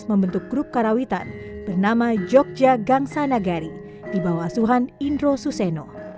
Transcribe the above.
membentuk grup karawitan bernama jogja gangsanagari di bawah suhan indro suseno